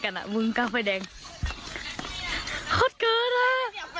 อะไรกันอ่ะมึงกล้าไฟแดงขอดเกินอ่ะ